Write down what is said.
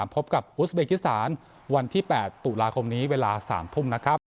พบกับอุสเบกิสถานวันที่๘ตุลาคมนี้เวลา๓ทุ่มนะครับ